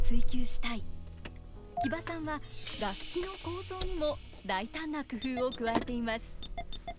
木場さんは楽器の構造にも大胆な工夫を加えています。